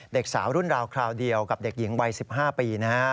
เด็กสาวรุ่นราวคราวเดียวกับเด็กหญิงวัย๑๕ปีนะฮะ